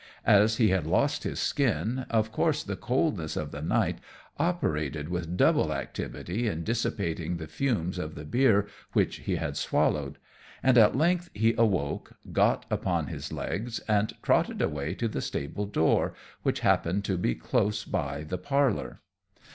As he had lost his skin, of course the coldness of the night operated with double activity in dissipating the fumes of the beer which he had swallowed; and at length he awoke, got upon his legs, and trotted away to the stable door, which happened to be close by the parlour.